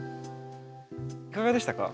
いかがでしたか？